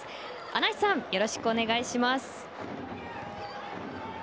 穴井さんよろしくお願いします。